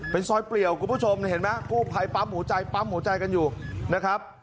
เป็นซอยเปลี่ยวคุณผู้ชมเห็นไหมกู้ภัยปั๊มหัวใจปั๊มหัวใจกันอยู่นะครับ